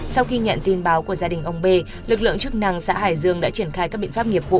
sau khi nhận tin báo của gia đình ông b lực lượng chức năng xã hải dương đã triển khai các biện pháp nghiệp vụ